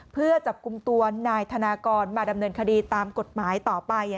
เพื่อจับกลุ่มตัวนายธนากรมาดำเนินคดีตามกฎหมายต่อไป